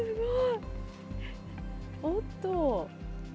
おっと。